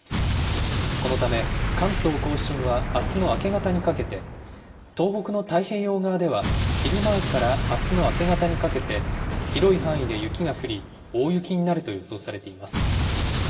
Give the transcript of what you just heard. このため、関東甲信はあすの明け方にかけて、東北の太平洋側では、昼前からあすの明け方にかけて、広い範囲で雪が降り、大雪になると予想されています。